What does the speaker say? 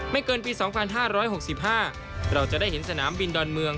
เกินปี๒๕๖๕เราจะได้เห็นสนามบินดอนเมือง